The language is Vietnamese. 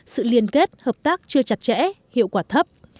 sự liên kết hợp tác chưa chặt chẽ hiệu quả thấp